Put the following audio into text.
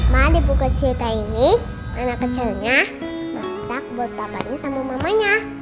ma di buku cerita ini anak kecilnya masak buat papanya sama mamanya